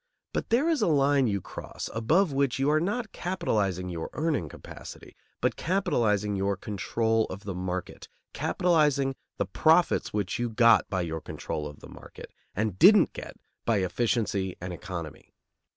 But there is a line you cross, above which you are not capitalizing your earning capacity, but capitalizing your control of the market, capitalizing the profits which you got by your control of the market, and didn't get by efficiency and economy.